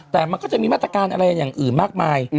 แต่มันก็จะมีมาตรการอะไรอย่างอื่นมากมาย